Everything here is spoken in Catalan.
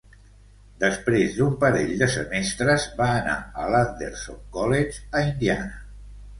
Després d'un parell de semestres, va anar a l'Anderson College, a Indiana.